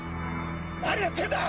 何やってるんだ！